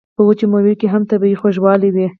په وچو میوو کې هم طبیعي خوږوالی وي.